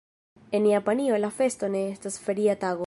En Japanio la festo ne estas feria tago.